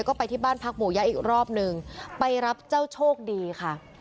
ก็ไปที่บ้านพักหมู่ยะอีกรอบหนึ่งไปรับเจ้าโชคดีค่ะ